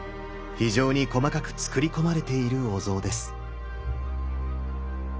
非常に細かくつくりこまれているお像です。